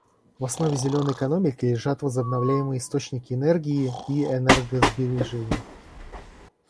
В основе «зеленой» экономики лежат возобновляемые источники энергии и энергосбережение.